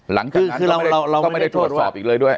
หลังจากนั้นก็ไม่ได้โทษวัดสอบอีกเลยด้วย